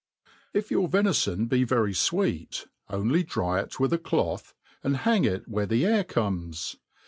IF your venifon be very fweet, only dry it with a cloth^ and h^% U. whpce.th^ ^rxomep.